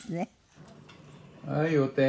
「はいお手。